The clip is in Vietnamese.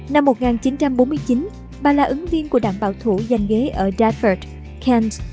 năm một nghìn chín trăm bốn mươi chín bà là ứng viên của đảng bảo thủ giành ghế ở daford kent